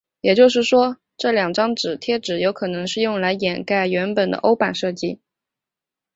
也就是说这两张贴纸有可能是用来掩盖原本的欧版设计。